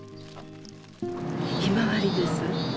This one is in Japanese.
ひまわりです。